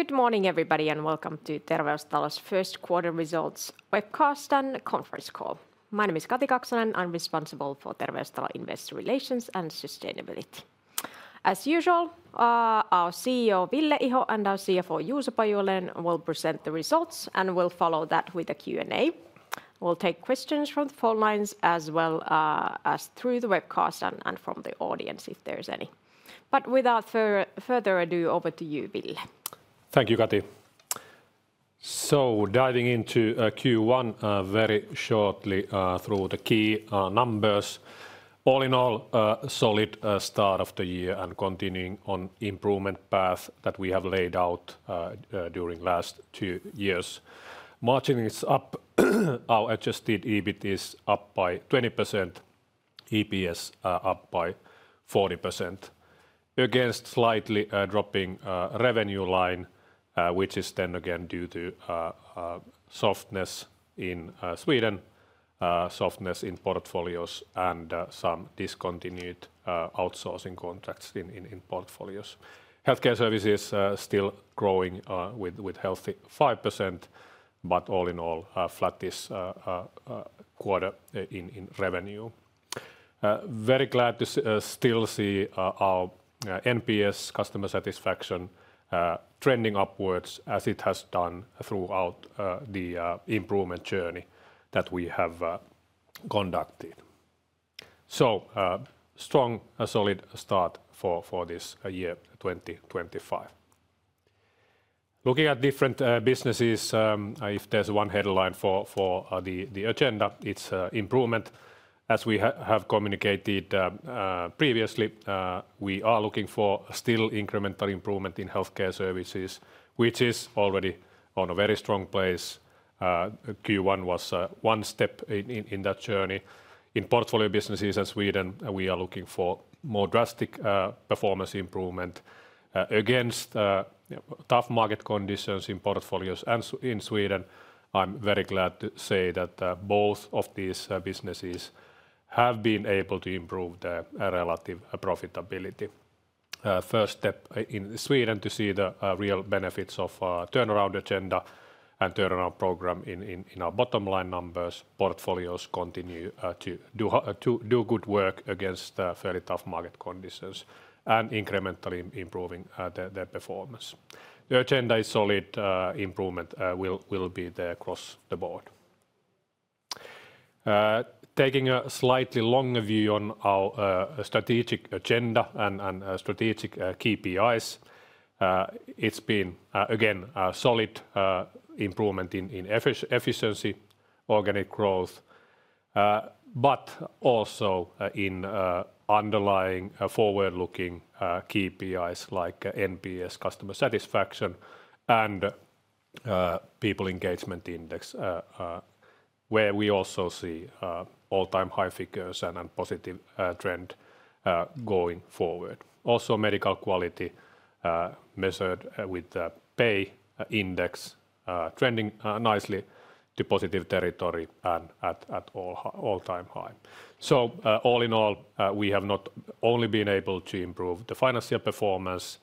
Good morning, everybody, and welcome to Terveystalo's Q1 results webcast and conference call. My name is Kati Kaksonen. I'm responsible for Terveystalo Investor Relations and Sustainability. As usual, our CEO, Ville Iho, and our CFO, Juuso Pajunen, will present the results and will follow that with a Q&A. We'll take questions from the phone lines as well as through the webcast and from the audience if there are any. Without further ado, over to you, Ville. Thank you, Kati. Diving into Q1 very shortly through the key numbers. All in all, solid start of the year and continuing on the improvement path that we have laid out during the last two years. Marching it up, our adjusted EBIT is up by 20%, EPS up by 40%, against slightly dropping revenue line, which is then again due to softness in Sweden, softness in portfolios, and some discontinued outsourcing contracts in portfolios. Healthcare Services are still growing with healthy 5%, but all in all, a flat quarter in revenue. Very glad to still see our NPS, customer satisfaction, trending upwards as it has done throughout the improvement journey that we have conducted. A strong, solid start for this year 2025. Looking at different businesses, if there's one headline for the agenda, it's improvement. As we have communicated previously, we are looking for still incremental improvement in Healthcare Services, which is already on a very strong place. Q1 was one step in that journey. In portfolio businesses in Sweden, we are looking for more drastic performance improvement against tough market conditions in portfolios and in Sweden. I'm very glad to say that both of these businesses have been able to improve their relative profitability. First step in Sweden to see the real benefits of our turnaround agenda and turnaround program in our bottom line numbers. Portfolios continue to do good work against fairly tough market conditions and incrementally improving their performance. The agenda is solid. Improvement will be there across the board. Taking a slightly longer view on our strategic agenda and strategic KPIs, it's been again a solid improvement in efficiency, organic growth, but also in underlying forward-looking KPIs like NPS, customer satisfaction, and people engagement index, where we also see all-time high figures and a positive trend going forward. Also, medical quality measured with the pay index trending nicely to positive territory and at all-time high. All in all, we have not only been able to improve the financial performance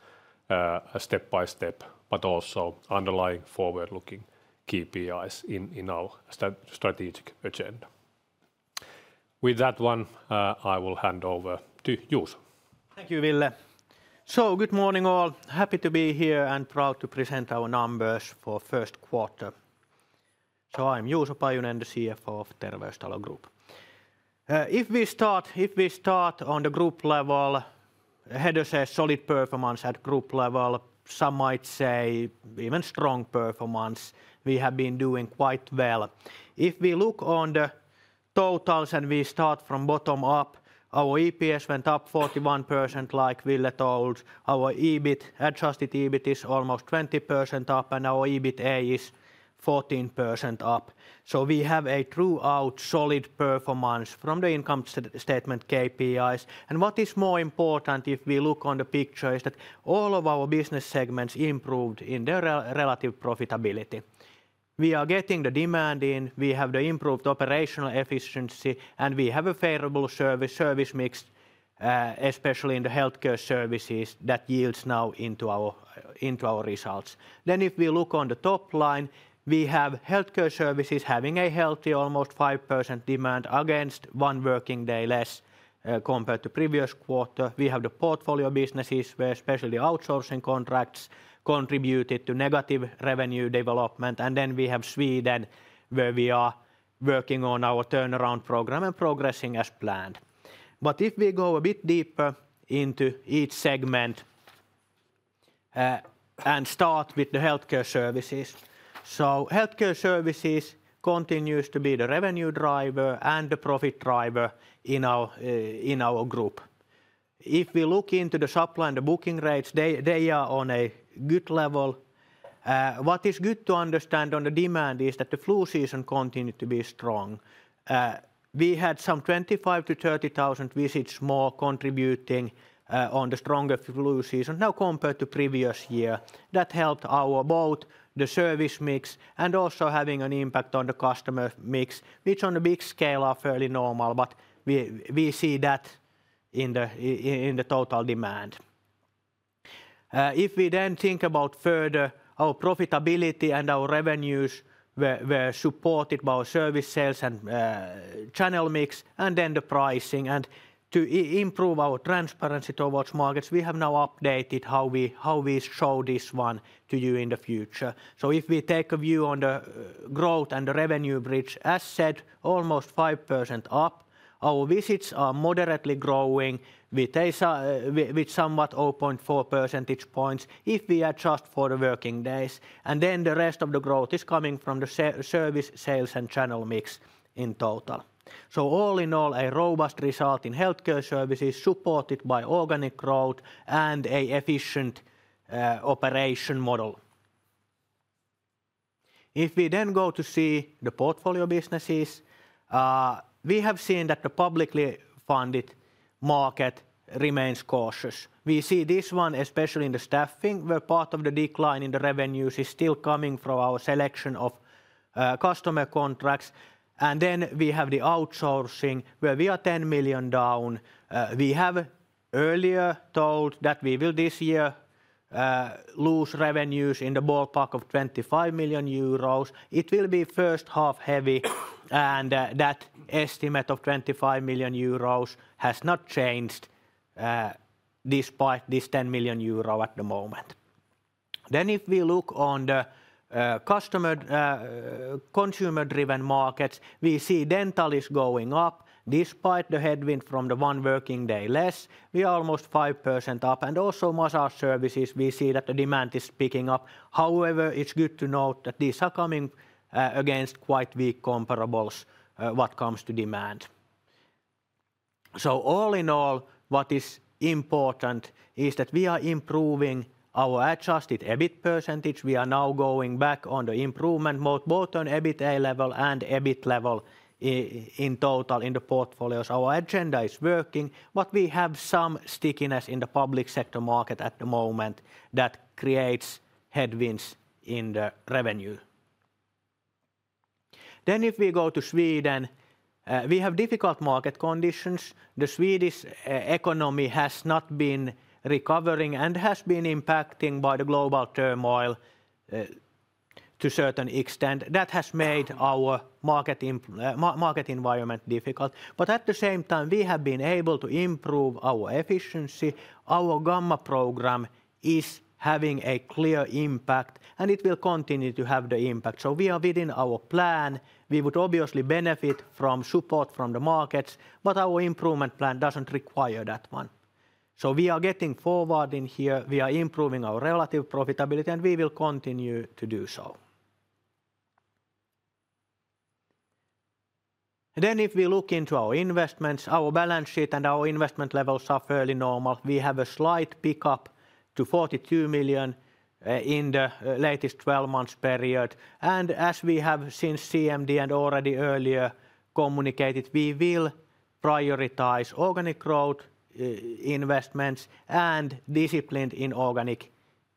step by step, but also underlying forward-looking KPIs in our strategic agenda. With that one, I will hand over to Juuso. Thank you, Ville. Good morning all. Happy to be here and proud to present our numbers for Q1. I'm Juuso Pajunen, the CFO of Terveystalo Group. If we start on the group level, I have to say solid performance at group level. Some might say even strong performance. We have been doing quite well. If we look on the totals and we start from bottom up, our EPS went up 41% like Ville told. Our adjusted EBIT is almost 20% up and our EBITA is 14% up. We have a throughout solid performance from the income statement KPIs. What is more important if we look on the picture is that all of our business segments improved in their relative profitability. We are getting the demand in. We have the improved operational efficiency and we have a favorable service mix, especially in the healthcare services that yields now into our results. If we look on the top line, we have healthcare services having a healthy almost 5% demand against one working day less compared to the previous quarter. We have the portfolio businesses where especially outsourcing contracts contributed to negative revenue development. We have Sweden where we are working on our turnaround program and progressing as planned. If we go a bit deeper into each segment and start with the healthcare services, healthcare services continues to be the revenue driver and the profit driver in our group. If we look into the supply and the booking rates, they are on a good level. What is good to understand on the demand is that the flu season continued to be strong. We had some 25,000-30,000 visits more contributing on the stronger flu season now compared to the previous year. That helped our both the service mix and also having an impact on the customer mix, which on a big scale are fairly normal, but we see that in the total demand. If we then think about further our profitability and our revenues were supported by our service sales and channel mix and then the pricing. To improve our transparency towards markets, we have now updated how we show this one to you in the future. If we take a view on the growth and the revenue bridge, as said, almost 5% up. Our visits are moderately growing with somewhat 0.4 percentage points if we adjust for the working days. The rest of the growth is coming from the service sales and channel mix in total. All in all, a robust result in Healthcare Services supported by organic growth and an efficient operation model. If we then go to see the portfolio businesses, we have seen that the publicly funded market remains cautious. We see this one especially in the staffing where part of the decline in the revenues is still coming from our selection of customer contracts. We have the outsourcing where we are 10 million down. We have earlier told that we will this year lose revenues in the ballpark of 25 million euros. It will be first half heavy and that estimate of 25 million euros has not changed despite this 10 million euro at the moment. If we look on the consumer-driven markets, we see dental is going up despite the headwind from the one working day less. We are almost 5% up. Also, massage services, we see that the demand is picking up. However, it is good to note that these are coming against quite weak comparables when it comes to demand. All in all, what is important is that we are improving our adjusted EBIT percentage. We are now going back on the improvement both on EBITA level and EBIT level in total in the portfolios. Our agenda is working, but we have some stickiness in the public sector market at the moment that creates headwinds in the revenue. If we go to Sweden, we have difficult market conditions. The Swedish economy has not been recovering and has been impacted by the global turmoil to a certain extent. That has made our market environment difficult. At the same time, we have been able to improve our efficiency. Our is having a clear impact and it will continue to have the impact. We are within our plan. We would obviously benefit from support from the markets, but our improvement plan does not require that one. We are getting forward in here. We are improving our relative profitability and we will continue to do so. If we look into our investments, our balance sheet and our investment levels are fairly normal. We have a slight pickup to 42 million in the latest 12 months period. As we have since CMD and already earlier communicated, we will prioritize organic growth investments and disciplined in-organic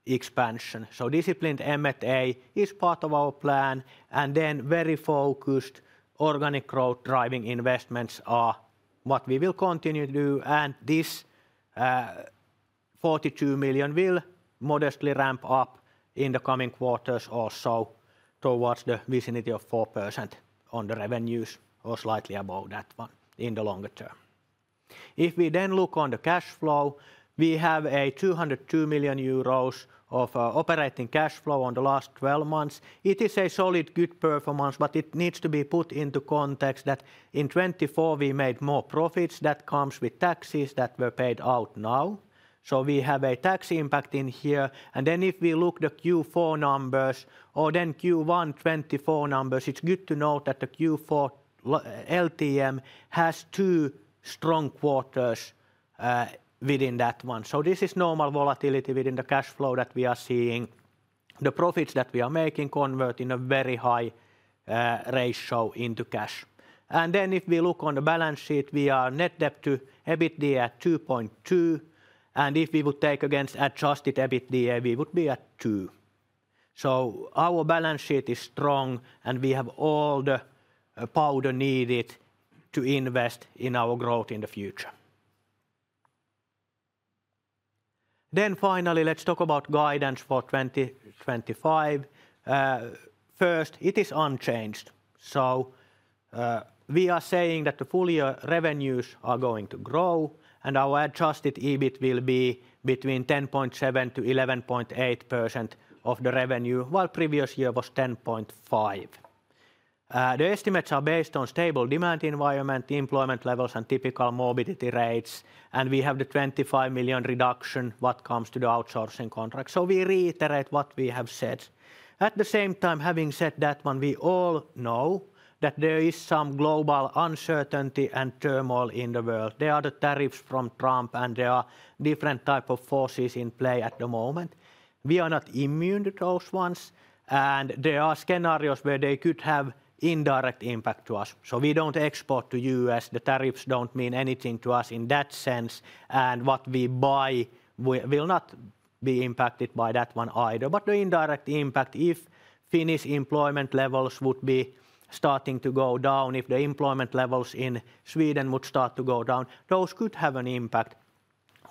expansion. Disciplined M&A is part of our plan. Very focused organic growth driving investments are what we will continue to do. This 42 million will modestly ramp up in the coming quarters also towards the vicinity of 4% on the revenues or slightly above that one in the longer term. If we then look on the cash flow, we have 202 million euros of operating cash flow on the last 12 months. It is a solid good performance, but it needs to be put into context that in 2024 we made more profits that comes with taxes that were paid out now. We have a tax impact in here. If we look at the Q4 numbers or then Q1 2024 numbers, it's good to note that the Q4 LTM has two strong quarters within that one. This is normal volatility within the cash flow that we are seeing. The profits that we are making convert in a very high ratio into cash. If we look on the balance sheet, we are net debt to EBITDA at 2.2. If we would take against adjusted EBITDA, we would be at 2. Our balance sheet is strong and we have all the power needed to invest in our growth in the future. Finally, let's talk about guidance for 2025. First, it is unchanged. We are saying that the full year revenues are going to grow and our adjusted EBIT will be between 10.7%-11.8% of the revenue, while previous year was 10.5%. The estimates are based on stable demand environment, employment levels, and typical morbidity rates. We have the 25 million reduction what comes to the outsourcing contract. We reiterate what we have said. At the same time, having said that one, we all know that there is some global uncertainty and turmoil in the world. There are the tariffs from Trump and there are different types of forces in play at the moment. We are not immune to those ones. There are scenarios where they could have indirect impact to us. We do not export to the U.S. The tariffs do not mean anything to us in that sense. What we buy will not be impacted by that one either. The indirect impact, if Finnish employment levels would be starting to go down, if the employment levels in Sweden would start to go down, those could have an impact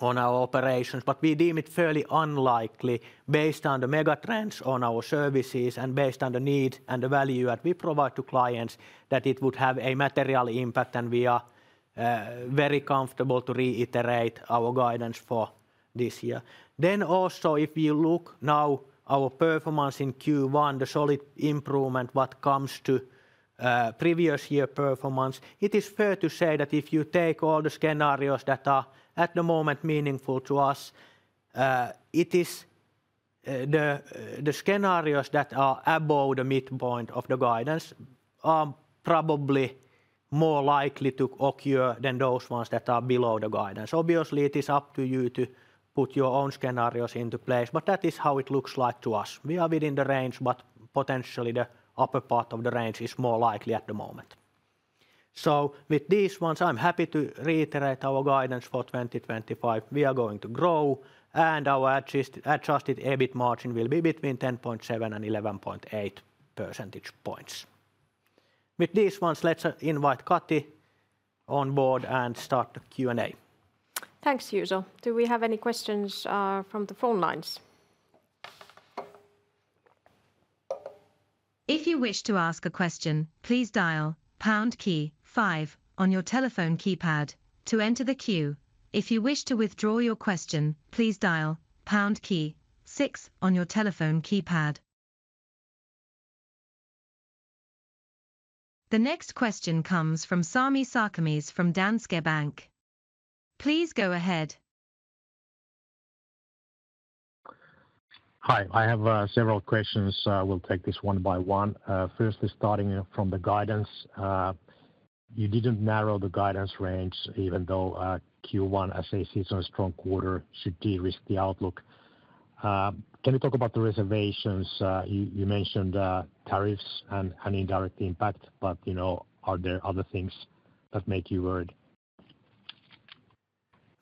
on our operations. We deem it fairly unlikely based on the mega trends on our services and based on the need and the value that we provide to clients that it would have a material impact. We are very comfortable to reiterate our guidance for this year. If you look now, our performance in Q1, the solid improvement what comes to previous year performance, it is fair to say that if you take all the scenarios that are at the moment meaningful to us, it is the scenarios that are above the midpoint of the guidance are probably more likely to occur than those ones that are below the guidance. Obviously, it is up to you to put your own scenarios into place, but that is how it looks like to us. We are within the range, but potentially the upper part of the range is more likely at the moment. With these ones, I'm happy to reiterate our guidance for 2025. We are going to grow and our adjusted EBIT margin will be between 10.7% and 11.8%. With these ones, let's invite Kati on board and start the Q&A. Thanks, Juuso. Do we have any questions from the phone lines? If you wish to ask a question, please dial #5 on your telephone keypad to enter the queue. If you wish to withdraw your question, please dial #6 on your telephone keypad. The next question comes from Sami Sarkamies from Danske Bank. Please go ahead. Hi, I have several questions. We'll take this one by one. First, starting from the guidance, you didn't narrow the guidance range even though Q1, as I said, is a strong quarter, should de-risk the outlook. Can you talk about the reservations? You mentioned tariffs and indirect impact, but are there other things that make you worried?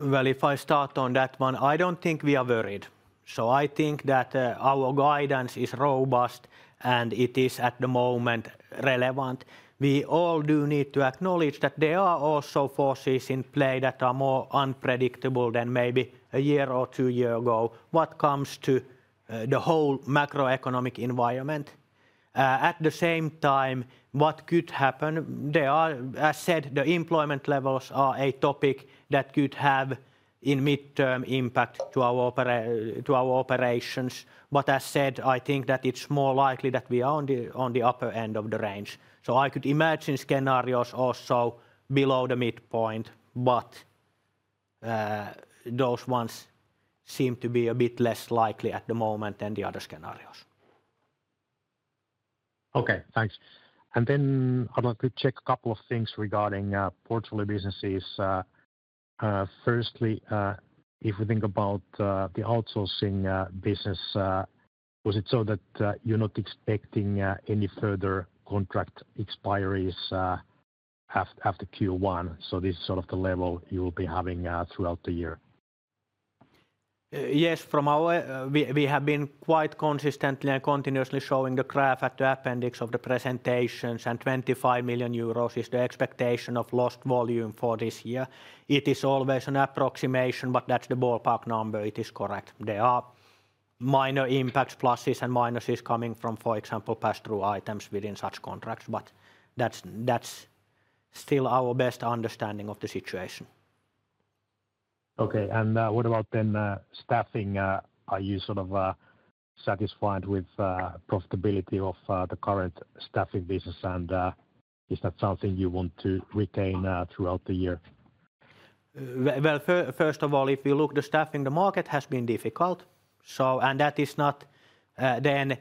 I do not think we are worried. I think that our guidance is robust and it is at the moment relevant. We all do need to acknowledge that there are also forces in play that are more unpredictable than maybe a year or two years ago what comes to the whole macroeconomic environment. At the same time, what could happen? As said, the employment levels are a topic that could have a midterm impact to our operations. As said, I think that it is more likely that we are on the upper end of the range. I could imagine scenarios also below the midpoint, but those ones seem to be a bit less likely at the moment than the other scenarios. Okay, thanks. I would like to check a couple of things regarding portfolio businesses. Firstly, if we think about the outsourcing business, was it so that you're not expecting any further contract expiries after Q1? This is sort of the level you will be having throughout the year. Yes, from our we have been quite consistently and continuously showing the graph at the appendix of the presentations, and 25 million euros is the expectation of lost volume for this year. It is always an approximation, but that's the ballpark number. It is correct. There are minor impacts, pluses and minuses coming from, for example, pass-through items within such contracts, but that's still our best understanding of the situation. Okay, and what about then staffing? Are you sort of satisfied with the profitability of the current staffing business, and is that something you want to retain throughout the year? If you look, the staffing market has been difficult, and that is not then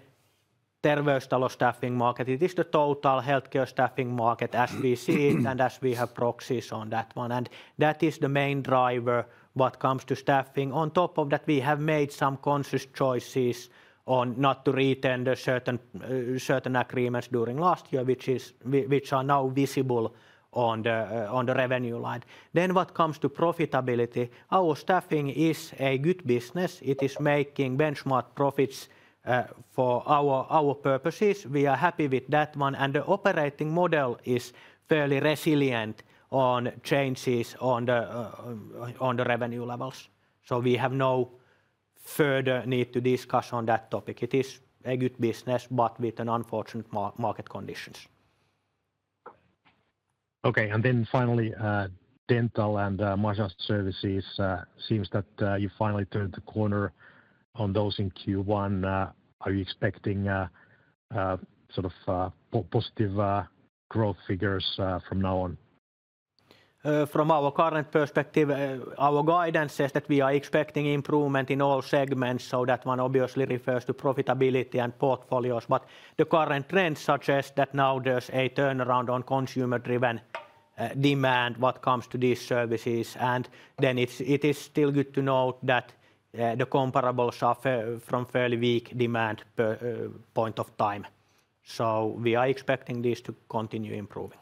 Terveystalo staffing market. It is the total healthcare staffing market as we see it, and as we have proxies on that one. That is the main driver what comes to staffing. On top of that, we have made some conscious choices on not to retain certain agreements during last year, which are now visible on the revenue line. What comes to profitability, our staffing is a good business. It is making benchmark profits for our purposes. We are happy with that one, and the operating model is fairly resilient on changes on the revenue levels. We have no further need to discuss on that topic. It is a good business, but with unfortunate market conditions. Okay, and then finally, dental and massage services, it seems that you finally turned the corner on those in Q1. Are you expecting sort of positive growth figures from now on? From our current perspective, our guidance says that we are expecting improvement in all segments, so that one obviously refers to profitability and portfolios. The current trend suggests that now there's a turnaround on consumer-driven demand what comes to these services. It is still good to note that the comparable are from fairly weak demand point of time. We are expecting this to continue improving.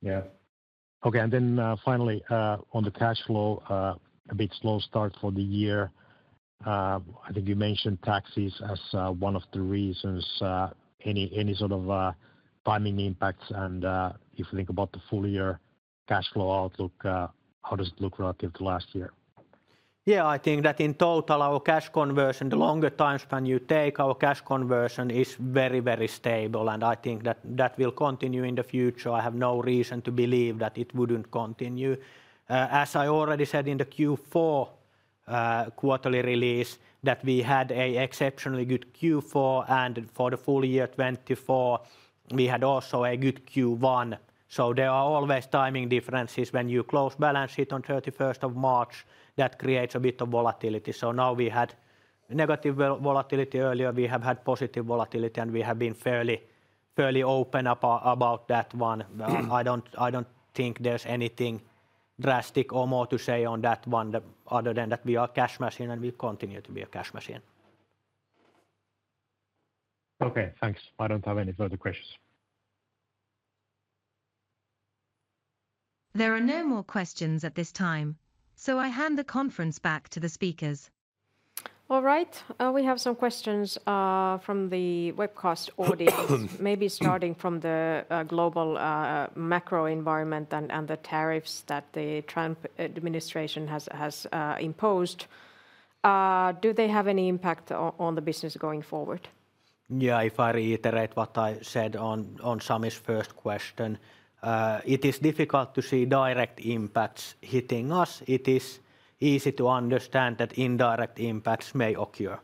Yeah. Okay, and then finally on the cash flow, a bit slow start for the year. I think you mentioned taxes as one of the reasons. Any sort of timing impacts? If we think about the full year cash flow outlook, how does it look relative to last year? Yeah, I think that in total, our cash conversion, the longer timespan you take, our cash conversion is very, very stable. I think that that will continue in the future. I have no reason to believe that it would not continue. As I already said in the Q4 quarterly release, we had an exceptionally good Q4. For the full year 2024, we had also a good Q1. There are always timing differences when you close balance sheet on 31st of March. That creates a bit of volatility. Now we had negative volatility earlier. We have had positive volatility, and we have been fairly open about that one. I do not think there is anything drastic or more to say on that one other than that we are a cash machine and we continue to be a cash machine. Okay, thanks. I don't have any further questions. There are no more questions at this time, so I hand the conference back to the speakers. All right, we have some questions from the webcast audience, maybe starting from the global macro environment and the tariffs that the Trump administration has imposed. Do they have any impact on the business going forward? Yeah, if I reiterate what I said on Sami's first question, it is difficult to see direct impacts hitting us. It is easy to understand that indirect impacts may occur.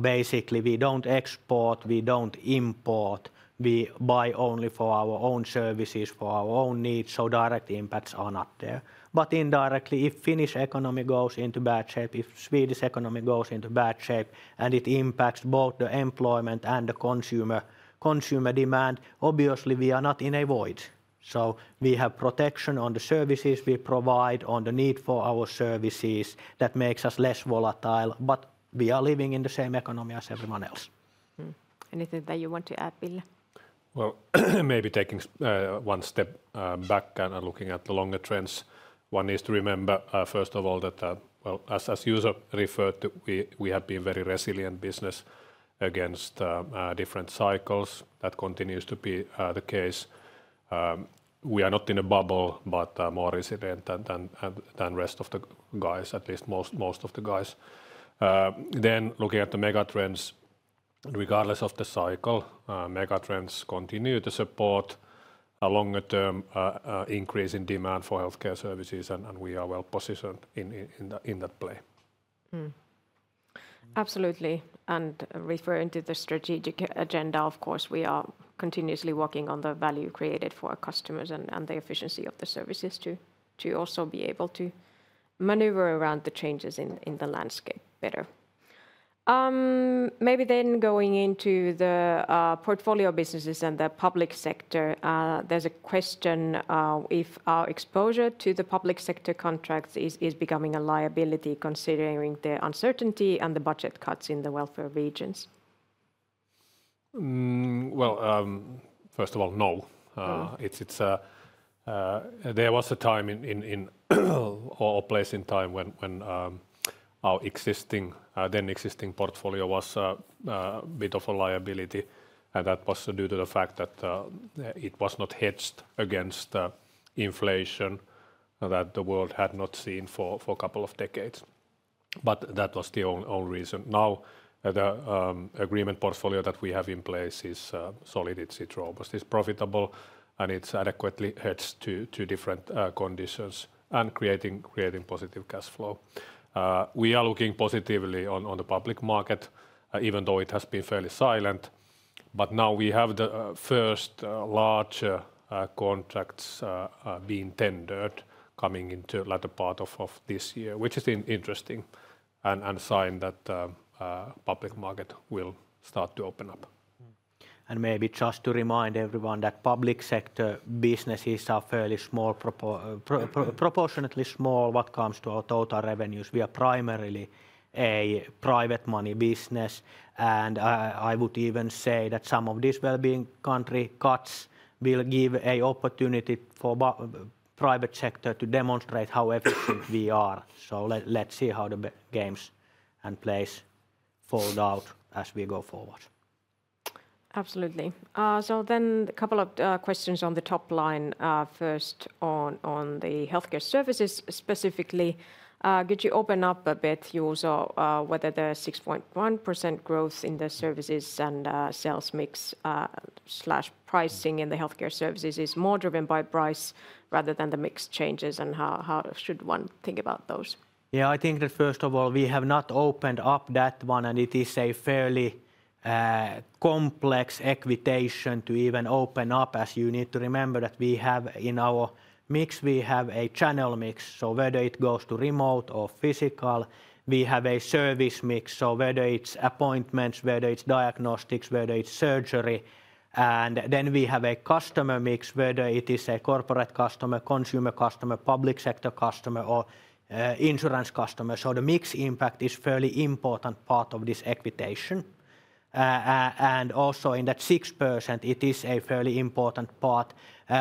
Basically, we do not export, we do not import. We buy only for our own services, for our own needs. Direct impacts are not there. Indirectly, if Finnish economy goes into bad shape, if Swedish economy goes into bad shape, and it impacts both the employment and the consumer demand, obviously we are not in a void. We have protection on the services we provide, on the need for our services that makes us less volatile, but we are living in the same economy as everyone else. Anything that you want to add, Ville? Maybe taking one step back and looking at the longer trends. One is to remember, first of all, that, as Juuso referred to, we have been a very resilient business against different cycles. That continues to be the case. We are not in a bubble, but more resilient than the rest of the guys, at least most of the guys. Looking at the mega trends, regardless of the cycle, mega trends continue to support a longer-term increase in demand for healthcare services, and we are well positioned in that play. Absolutely. Referring to the strategic agenda, of course, we are continuously working on the value created for our customers and the efficiency of the services to also be able to maneuver around the changes in the landscape better. Maybe then going into the portfolio businesses and the public sector, there is a question if our exposure to the public sector contracts is becoming a liability considering the uncertainty and the budget cuts in the welfare regions. There was a time or a place in time when our then-existing portfolio was a bit of a liability. That was due to the fact that it was not hedged against inflation that the world had not seen for a couple of decades. That was the only reason. Now, the agreement portfolio that we have in place is solid. It is robust, it is profitable, and it is adequately hedged to different conditions and creating positive cash flow. We are looking positively on the public market, even though it has been fairly silent. Now we have the first large contracts being tendered coming into the latter part of this year, which is interesting and a sign that the public market will start to open up. Maybe just to remind everyone that public sector businesses are fairly proportionately small when it comes to our total revenues. We are primarily a private money business. I would even say that some of these wellbeing county cuts will give an opportunity for the private sector to demonstrate how efficient we are. Let's see how the games and plays fold out as we go forward. Absolutely. A couple of questions on the top line. First, on the Healthcare Services specifically, could you open up a bit, Juuso, whether the 6.1% growth in the services and sales mix/pricing in the Healthcare Services is more driven by price rather than the mix changes, and how should one think about those? I think that first of all, we have not opened up that one, and it is a fairly complex equation to even open up. You need to remember that we have in our mix, we have a channel mix. Whether it goes to remote or physical, we have a service mix. Whether it's appointments, whether it's diagnostics, whether it's surgery. We have a customer mix, whether it is a corporate customer, consumer customer, public sector customer, or insurance customer. The mix impact is a fairly important part of this equation. Also, in that 6%, it is a fairly important part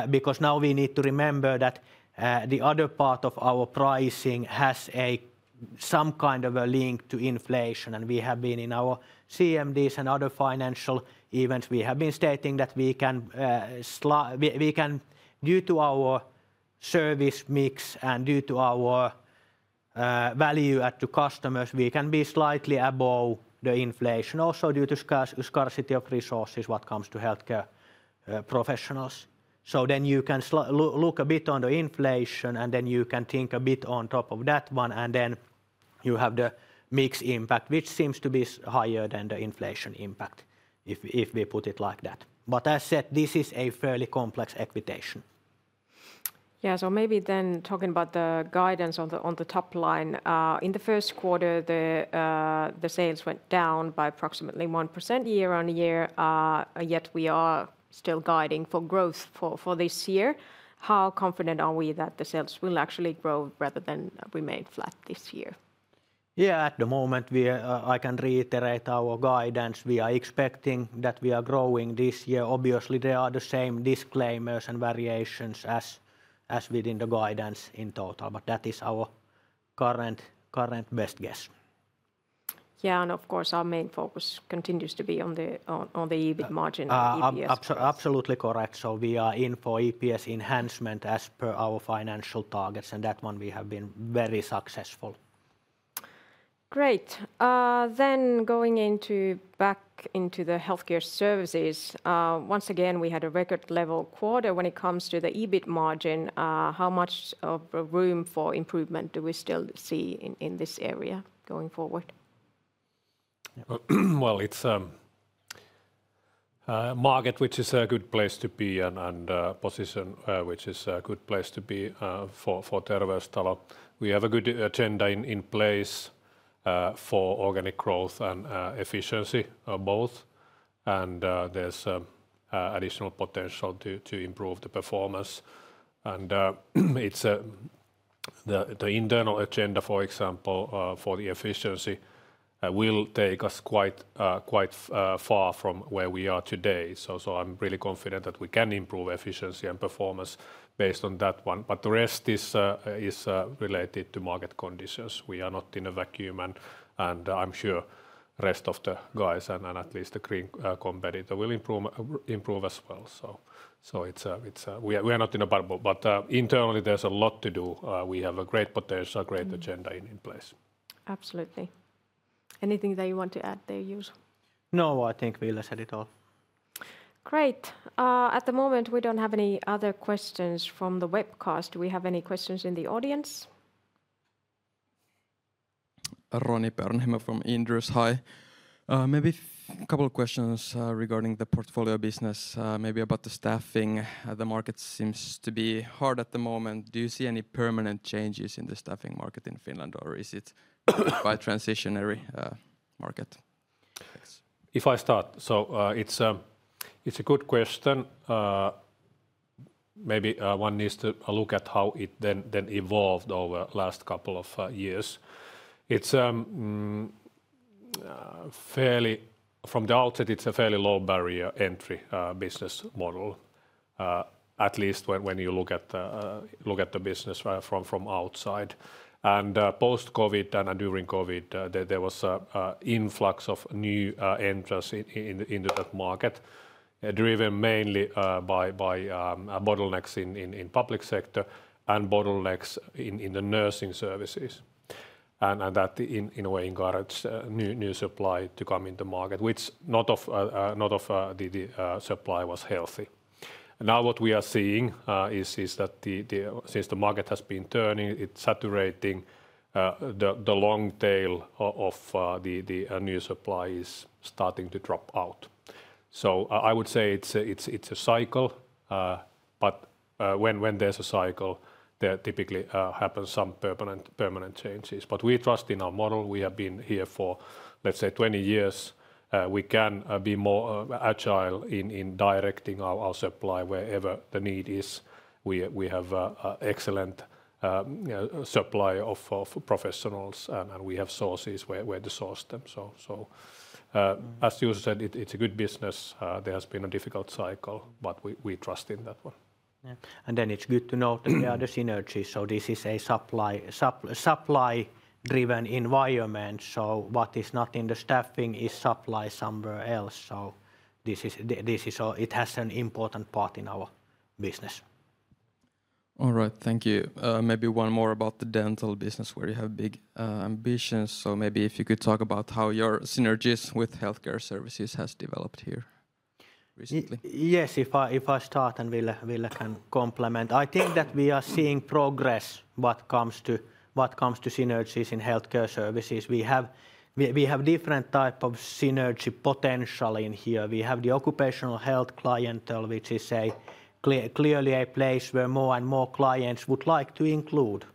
because now we need to remember that the other part of our pricing has some kind of a link to inflation. We have been in our CMDs and other financial events, we have been stating that we can, due to our service mix and due to our value to customers, we can be slightly above the inflation, also due to scarcity of resources when it comes to healthcare professionals. You can look a bit on the inflation, and then you can think a bit on top of that one, and then you have the mix impact, which seems to be higher than the inflation impact, if we put it like that. As said, this is a fairly complex equation. Maybe then talking about the guidance on the top line. In the Q1, the sales went down by approximately 1% year on year, yet we are still guiding for growth for this year. How confident are we that the sales will actually grow rather than remain flat this year? Yeah, at the moment, I can reiterate our guidance. We are expecting that we are growing this year. Obviously, there are the same disclaimers and variations as within the guidance in total, but that is our current best guess. Yeah, and of course, our main focus continues to be on the EBIT margin. Absolutely correct. We are in for EPS enhancement as per our financial targets, and that one we have been very successful. Great. Going back into the Healthcare Services, once again, we had a record-level quarter when it comes to the EBIT margin. How much of room for improvement do we still see in this area going forward? It is a market which is a good place to be and a position which is a good place to be for Terveystalo. We have a good agenda in place for organic growth and efficiency both, and there is additional potential to improve the performance. The internal agenda, for example, for the efficiency will take us quite far from where we are today. I am really confident that we can improve efficiency and performance based on that one. The rest is related to market conditions. We are not in a vacuum, and I am sure the rest of the guys and at least the green competitor will improve as well. We are not in a bubble, but internally there is a lot to do. We have great potential, great agenda in place. Absolutely. Anything that you want to add there, Juuso? No, I think Ville said it all. Great. At the moment, we don't have any other questions from the webcast. Do we have any questions in the audience? Roni Peuranheimo from Inderes, hi. Maybe a couple of questions regarding the portfolio business, maybe about the staffing. The market seems to be hard at the moment. Do you see any permanent changes in the staffing market in Finland, or is it a transitionary market? If I start, it is a good question. Maybe one needs to look at how it then evolved over the last couple of years. From the outset, it is a fairly low-barrier entry business model, at least when you look at the business from outside. Post-COVID and during COVID, there was an influx of new entrants into that market, driven mainly by bottlenecks in the public sector and bottlenecks in the nursing services. That in a way encouraged new supply to come into the market, which a lot of the supply was healthy. Now what we are seeing is that since the market has been turning, it is saturating, the long tail of the new supply is starting to drop out. I would say it is a cycle, but when there is a cycle, there typically happens some permanent changes. We trust in our model. We have been here for, let's say, 20 years. We can be more agile in directing our supply wherever the need is. We have an excellent supply of professionals, and we have sources where to source them. As Juuso said, it is a good business. There has been a difficult cycle, but we trust in that one. It is good to note that there are the synergies. This is a supply-driven environment. What is not in the staffing is supply somewhere else. It has an important part in our business. All right, thank you. Maybe one more about the dental business where you have big ambitions. Maybe if you could talk about how your synergies with healthcare services have developed here recently. Yes, if I start and Ville can complement. I think that we are seeing progress what comes to synergies in healthcare services. We have different types of synergy potential in here. We have the occupational health clientele, which is clearly a place where more and more clients would like to include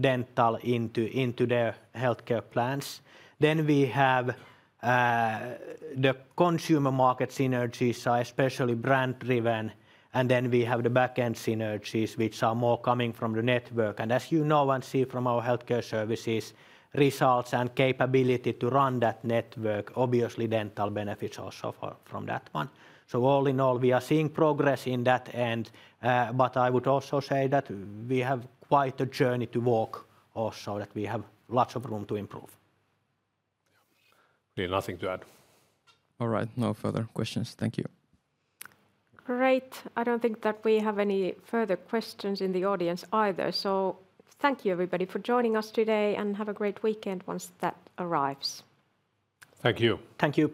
dental into their healthcare plans. We have the consumer market synergies, especially brand-driven. We have the back-end synergies, which are more coming from the network. As you know and see from our Healthcare Services results and capability to run that network, obviously dental benefits also from that one. All in all, we are seeing progress in that end. I would also say that we have quite a journey to walk also, that we have lots of room to improve. Nothing to add. All right, no further questions. Thank you. Great. I do not think that we have any further questions in the audience either. Thank you, everybody, for joining us today, and have a great weekend once that arrives. Thank you. Thank you.